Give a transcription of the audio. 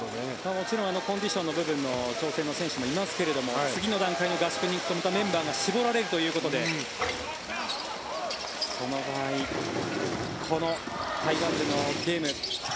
もちろんコンディションの部分の調整の選手もいますが次の段階の合宿に行くメンバーが絞られるということでその場合、この台湾のゲーム。